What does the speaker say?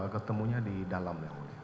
ketemunya di dalam ya wulian